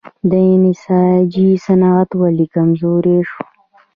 د نساجي صنعت ولې کمزوری شو؟